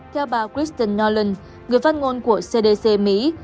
theo bà kristen nolan người phát ngôn của cdc mỹ